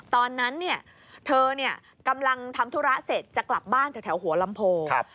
ตอนนั้นเนี่ยเธอกำลังทำธุระเสร็จจะกลับบ้านแถวหัวลำโพง